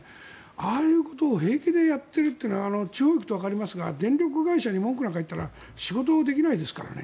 ああいうことを平気でやっている地方に行くとわかりますが電力会社に文句なんか言ったら仕事できないですからね。